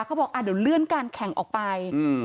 เขาบอกเดี๋ยวเลื่อนการแข่งออกไป